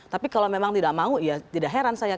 tapi kalau memang tidak mau ya tidak heran saya